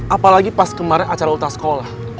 apalagi pas kemarin acara ulta sekolah